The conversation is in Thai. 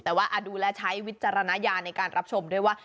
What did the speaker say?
แต่ว่าดูแล้วใช้วิจารณญาณในการรับชมด้วยว่า